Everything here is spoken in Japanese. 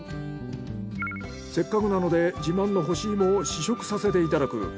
せっかくなので自慢の干し芋を試食させていただく。